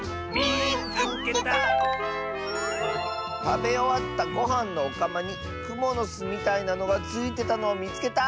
「たべおわったごはんのおかまにくものすみたいなのがついてたのをみつけた！」。